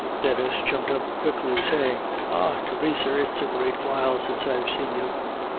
Denis jumped up quickly, saying: "Ah, Theresa, it's a great while since I've seen you."